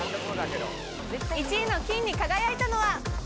１位の金に輝いたのは。